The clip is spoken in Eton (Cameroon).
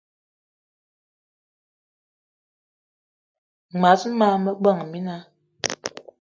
Mas gan, me ba mina.